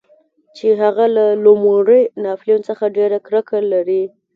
چې هغه له لومړي ناپلیون څخه دومره کرکه لري.